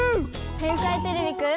「天才てれびくん」